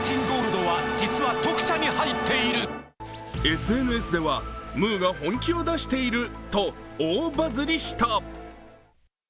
ＳＮＳでは「ムー」が本気を出していると大バズりした。